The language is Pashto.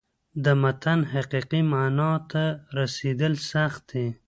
د متن حقیقي معنا ته رسېدل سخت دي.